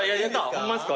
ホンマですか？